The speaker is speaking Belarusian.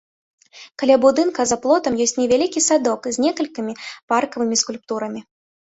Каля будынка за плотам ёсць невялікі садок з некалькімі паркавымі скульптурамі.